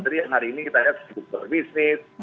karena hari ini kita lihat sibuk berbisnis